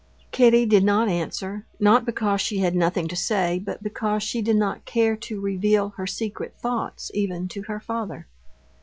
Kitty did not answer, not because she had nothing to say, but because she did not care to reveal her secret thoughts even to her father.